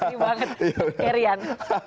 ini banget kerian